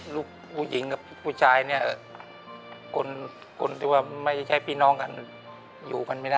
ลูกผู้หญิงกับผู้ชายเนี่ย